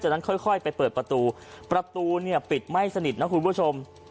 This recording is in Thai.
จากนั้นค่อยไปเปิดประตูประตูเนี่ยปิดไม่สนิทนะคุณผู้ชม